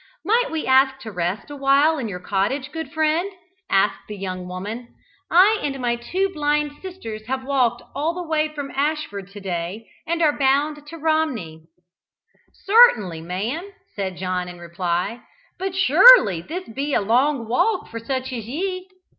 "Might we ask to rest awhile in your cottage, good friend?" asked the young woman. "I and my two blind sisters have walked all the way from Ashford to day, and are bound to Romney." "Sartainly, ma'am," said John in reply. "But surely this be a long walk for such as ye?"